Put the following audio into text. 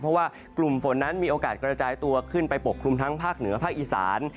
เพราะว่ากลุ่มฝนนั้นมีโอกาสกระจายตัวขึ้นไปปกคลุมทั้งภาคเหนือภาคอีสาน